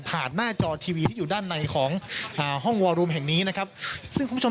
หน้าจอทีวีที่อยู่ด้านในของอ่าห้องวอรุมแห่งนี้นะครับซึ่งคุณผู้ชม